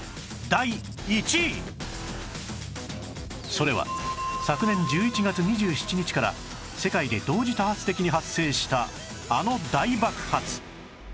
それは昨年１１月２７日から世界で同時多発的に発生したあの大爆発